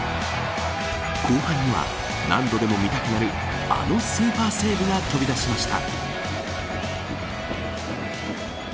後半には何度でも見たくなるあのスーパーセーブが飛び出しました。